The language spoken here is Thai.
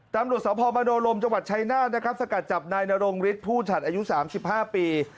ตำรวจสพมโนรมจังหวัดชายนาฏนะครับสกัดจับนายนรงฤทธิ์ผู้ฉัดอายุ๓๕ปี